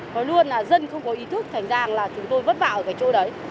nói luôn là dân không có ý thức thành ra là chúng tôi vứt vào ở cái chỗ đấy